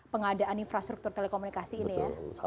pengadaan infrastruktur telekomunikasi ini ya